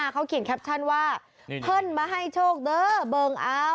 เขาเขียนแคปชั่นว่าเพิ่นมาให้โชคเด้อเบิ่งเอา